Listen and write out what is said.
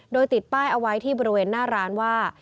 โดยติดป้ายเอาไว้ที่บริเวณหน้าร้านว่า